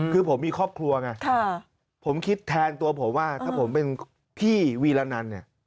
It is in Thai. คือผมมีครอบครัวไงผมคิดแทนตัวผมว่าถ้าผมเป็นพี่วีรนันเนี่ย